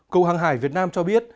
câu hàng hải việt nam cho biết